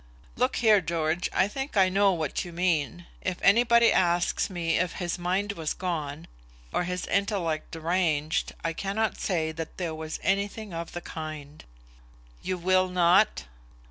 "Look here, George; I think I know now what you mean. If anybody asks me if his mind was gone, or his intellect deranged, I cannot say that there was anything of the kind." "You will not?"